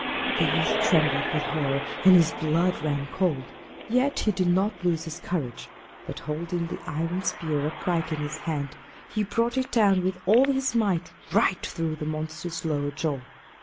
The youth trembled with horror, and his blood ran cold, yet he did not lose his courage; but, holding the iron spear upright in his hand, he brought it down with all his might right through the monster's lower jaw.